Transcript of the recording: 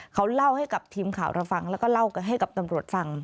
เขาเล่าให้กับทีมข่าวเราฟังแล้วก็เล่าให้กับตำรวจฟัง